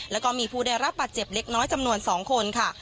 แล้วก็มีผู้ได้รับบาดเจ็บเล็กน้อยจำนวน๒คนค่ะ